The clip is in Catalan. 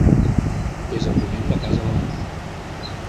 És a ponent de Casa Valentí.